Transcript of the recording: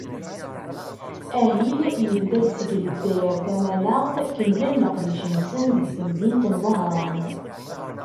Ahil, yebda-d seg Lezzayer tamaneɣt, kemmlen leqdic-nsen deg temdint n Wehran.